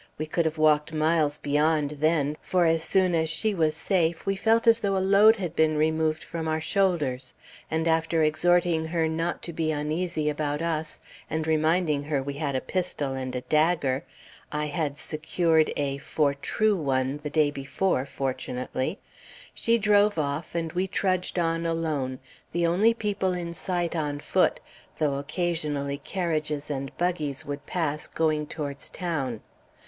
We could have walked miles beyond, then, for as soon as she was safe we felt as though a load had been removed from our shoulders; and after exhorting her not to be uneasy about us, and reminding her we had a pistol and a dagger, I had secured a "for true" one the day before, fortunately, she drove off, and we trudged on alone, the only people in sight on foot, though occasionally carriages and buggies would pass, going towards town.